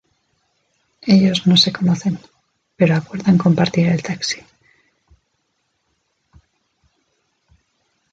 Ellos no se conocen, pero acuerdan compartir el taxi.